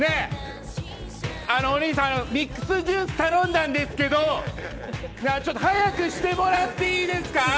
お兄さん、ミックスジュース頼んだんですけどちょっと早くしてもらっていいですか！